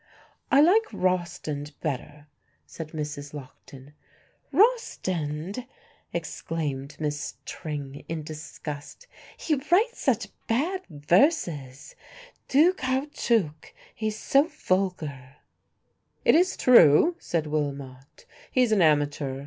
"I like Rostand better," said Mrs. Lockton. "Rostand!" exclaimed Miss Tring, in disgust, "he writes such bad verses du caoutchouc he's so vulgar." "It is true," said Willmott, "he's an amateur.